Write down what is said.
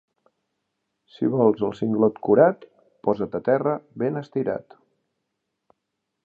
Si vols el singlot curat, posa't a terra ben estirat.